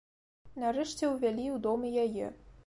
Нарэшце ўвялі ў дом і яе.